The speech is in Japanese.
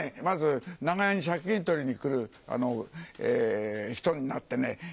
まず長屋に借金取りに来る人になってね